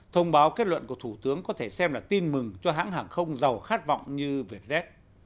thông báo kết luận của thủ tướng có thể xem là tin mừng cho hãng hàng không giàu khát vọng như vietjet